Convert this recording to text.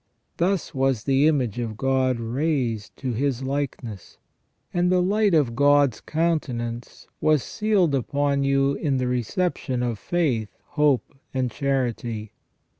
Thus was the image of God raised to His likeness, and the light of God's countenance was sealed upon you in the reception of faith, hope, and charity.